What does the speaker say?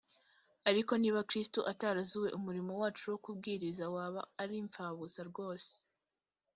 ariko niba kristo atarazuwe umurimo wacu wo kubwiriza waba ari imfabusa rwose